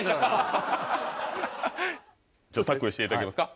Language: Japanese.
タックルしていただけますか？